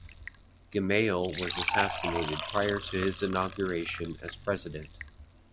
Gemayel was assassinated prior to his inauguration as president.